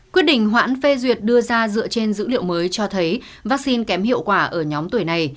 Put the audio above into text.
quyết định hoãn phê duyệt đưa ra dựa trên dữ liệu mới cho thấy vaccine kém hiệu quả ở nhóm tuổi này